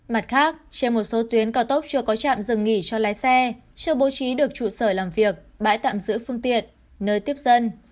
mặt khác trên một số tuyến cao tốc chưa có trạm dừng nghỉ cho lái xe chưa bố trí được trụ sở làm việc bãi tạm giữ phương tiện nơi tiếp dân